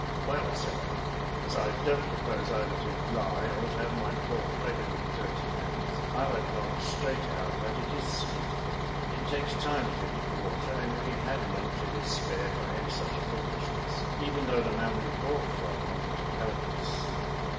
" Well," said I, " as I don't propose either to lie or to have my pork flavored with dirty hands, I'll acknowledge straight out that it is skinned. It takes time to heat water, and we had none to spare for any such foolishness, even though the man we bought from offered to help us."